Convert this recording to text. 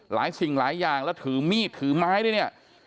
สิ่งหลายอย่างแล้วถือมีดถือไม้ด้วยเนี่ย